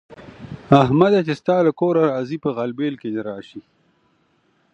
احمده! چې ستا له کوره راځي؛ په غلبېل کې دې راشي.